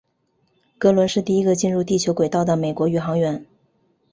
格伦是第一个进入地球轨道的美国宇航员。